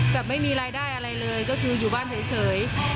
แบบไม่มีรายได้อะไรเลยก็คืออยู่บ้านเฉย